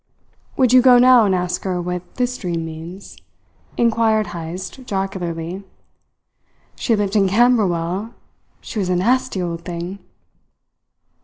"Would you go now and ask her what this dream means?" inquired Heyst jocularly. "She lived in Camberwell. She was a nasty old thing!"